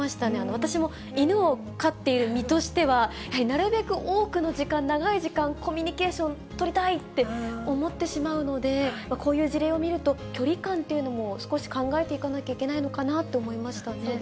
私も犬を飼っている身としてはなるべく多くの時間、長い時間、コミュニケーション取りたいと思ってしまうので、こういう事例を見ると、距離感というのも少し考えていかないといけないのかなと思いましたね。